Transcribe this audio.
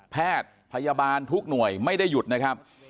แพทย์พยาบาลทุกหน่วยไม่ได้หยุดนะครับ